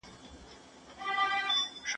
هغې په آرامه خپل کتاب بند کړ.